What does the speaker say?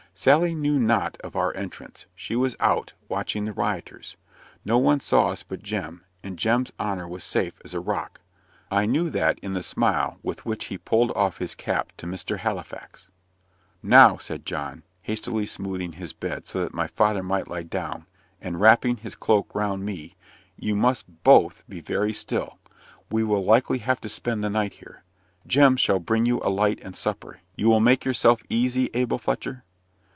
Sally knew not of our entrance; she was out, watching the rioters. No one saw us but Jem, and Jem's honour was safe as a rock. I knew that in the smile with which he pulled off his cap to "Mr. Halifax." "Now," said John, hastily smoothing his bed, so that my father might lie down, and wrapping his cloak round me "you must both be very still. You will likely have to spend the night here. Jem shall bring you a light and supper. You will make yourself easy, Abel Fletcher?"